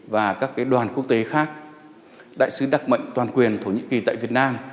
và các đoàn quốc tế khác đại sứ đặc mệnh toàn quyền thổ nhĩ kỳ tại việt nam